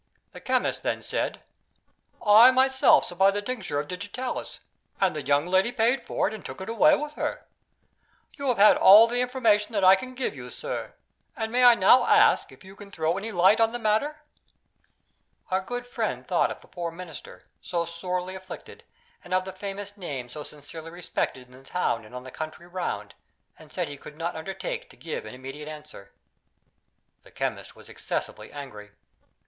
The chemist then said: "I myself supplied the Tincture of Digitalis, and the young lady paid for it, and took it away with her. You have had all the information that I can give you, sir; and I may now ask, if you can throw any light on the matter." Our good friend thought of the poor Minister, so sorely afflicted, and of the famous name so sincerely respected in the town and in the country round, and said he could not undertake to give an immediate answer. The chemist was excessively angry.